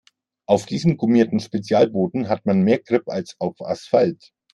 Auf diesem gummierten Spezialboden hat man mehr Grip als auf Asphalt.